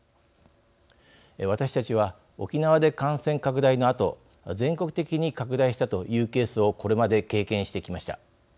私たちは、沖縄で感染拡大のあと全国的に拡大したというケースをこれまで経験してきました。